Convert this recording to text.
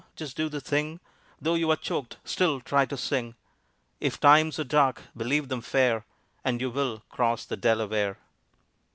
Just do the thing; Though you are choked, still try to sing. If times are dark, believe them fair, And you will cross the Delaware!